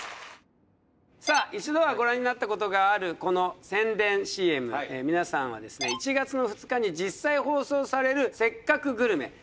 ＦｒｏｍＴＢＳさあ一度はご覧になったことがあるこの宣伝ＣＭ皆さんは１月の２日に実際放送される「せっかくグルメ！！」